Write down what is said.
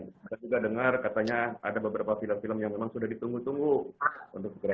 kita juga dengar katanya ada beberapa film film yang memang sudah ditunggu tunggu untuk segera